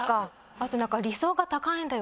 あとなんか「理想が高いんだよ」。